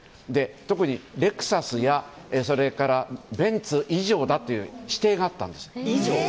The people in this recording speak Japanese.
特にレクサスやベンツ以上という指定があったんです。